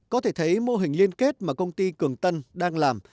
có thể thấy mô hình liên kết mà công ty cường tân đang làm